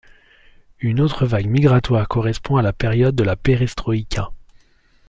Une autre vague migratoire correspond à la période de la Perestroïka.